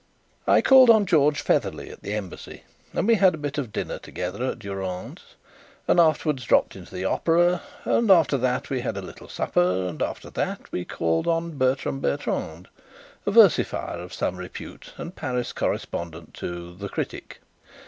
I called on George Featherly at the Embassy, and we had a bit of dinner together at Durand's, and afterwards dropped in to the Opera; and after that we had a little supper, and after that we called on Bertram Bertrand, a versifier of some repute and Paris correspondent to The Critic.